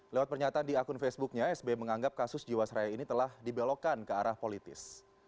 lewat pernyataan di akun facebooknya sbi menganggap kasus jiwasraya ini telah dibelokkan ke arah politis